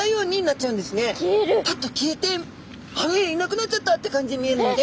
パッと消えてあれいなくなっちゃったって感じに見えるので。